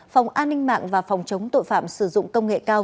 phòng an ninh mạng và phòng chống tội phạm sử dụng công nghệ cao